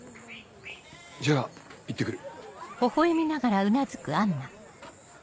じゃあ行って来る。